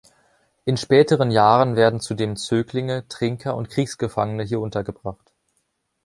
In späteren Jahren werden zudem Zöglinge, Trinker und Kriegsgefangene hier untergebracht.